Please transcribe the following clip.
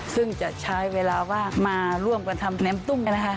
ซึ่งจะใช้เวลาว่างมาร่วมกันทำน้ำตุ้งนะคะ